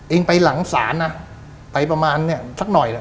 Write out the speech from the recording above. เองไปหลังศาลนะไปประมาณเนี้ยสักหน่อยแหละ